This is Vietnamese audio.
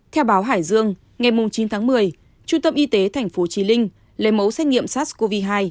theo báo hải dương ngày chín một mươi trung tâm y tế tp hcm lấy mẫu xét nghiệm sars cov hai